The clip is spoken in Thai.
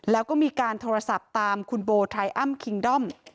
แล้วก็มีการโทรศัพท์ตามคุณโบไทอ้ำคิงด้อม